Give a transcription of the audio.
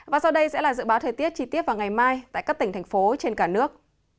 và sau đây sẽ là dự báo thời tiết chi tiết vào ngày mai tại các tỉnh thành phố trên cả nước